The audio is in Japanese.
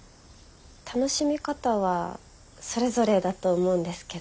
楽しみ方はそれぞれだと思うんですけど。